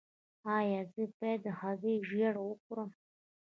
ایا زه باید د هګۍ ژیړ وخورم؟